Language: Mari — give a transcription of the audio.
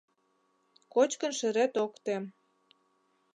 Кочкын шерет ок тем.